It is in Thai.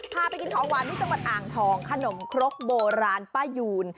พาไปกินของหวานที่จังหวัดอ่างทองขนมครกโบราณป้ายูน